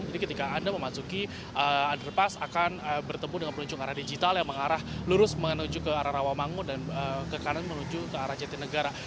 jadi ketika anda memasuki underpass akan bertemu dengan penunjuk arah digital yang mengarah lurus menuju ke rawamangun dan ke kanan menuju ke jatinegara